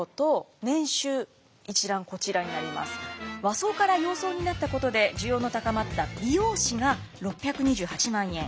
和装から洋装になったことで需要の高まった美容師が６２８万円。